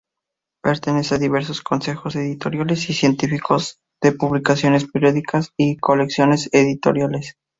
Pertenece a diversos Consejos editoriales y científicos de publicaciones periódicas y colecciones editoriales.